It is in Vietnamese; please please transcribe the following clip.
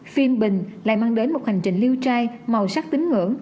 phim bình lại mang đến một hành trình lưu trai màu sắc tín ngưỡng